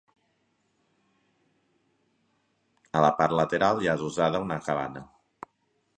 A la part lateral hi ha adossada una cabana.